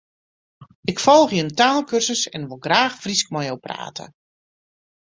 Ik folgje in taalkursus en ik wol graach Frysk mei jo prate.